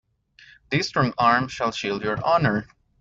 This strong arm shall shield your honor.